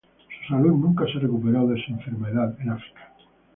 Su salud nunca se recuperó de su enfermedad en África.